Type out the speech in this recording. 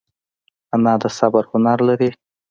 انا د صبر هنر لري